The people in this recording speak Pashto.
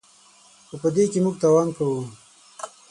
خو په دې کې موږ تاوان کوو.